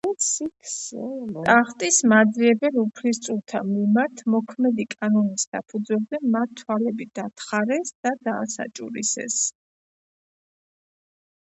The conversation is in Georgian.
ტახტის მაძიებელ უფლისწულთა მიმართ მოქმედი კანონის საფუძველზე მას თვალები დათხარეს და დაასაჭურისეს.